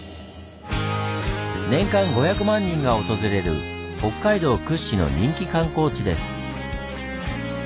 年間５００万人が訪れる北海道屈指の人気観光地です。